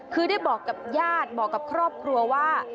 คือได้บอกกับญาติบอกกับครอบครัวว่า